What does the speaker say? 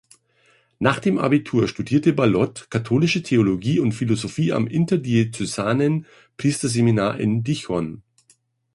Nach dem Abitur studierte Ballot Katholische Theologie und Philosophie am interdiözesanen Priesterseminar in Dijon.